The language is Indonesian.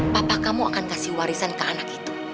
papa kamu akan kasih warisan ke anak itu